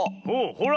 ほら。